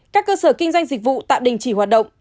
các cơ sở kinh doanh dịch vụ tạm đình chỉ hoạt động